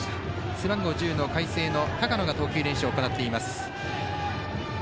背番号１０の海星の高野が投球練習を行っています。